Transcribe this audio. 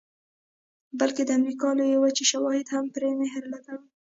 بلکې د امریکا لویې وچې شواهد هم پرې مهر لګوي